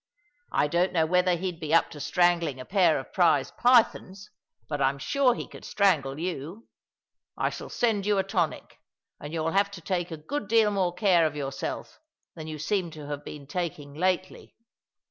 I don't know whether he'd be up to strangling a pair of prize pythons ; but I'm sure he could strangle you. I shall send you a tonic ; and you'll have to Sorrow tkafs Deeper than we dream!' 201 take a good deal more care of yourself than you seem to have been taking lately."